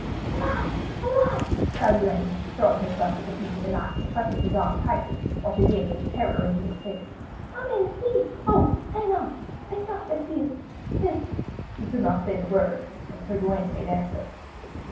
'Alas! alas!' cried Elaine, throwing herself at the feet of the knight, and clutching his arm tightly, while she gazed with terror into his face. 'How may this be? oh, say not say not that he is is ' She could not say the word, but Sir Gawaine made answer.